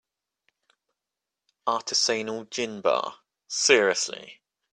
Artisanal gin bar, seriously?!